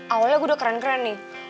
awalnya gue udah keren keren nih